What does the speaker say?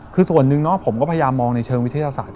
คือส่วนหนึ่งเนาะผมก็พยายามมองในเชิงวิทยาศาสตร์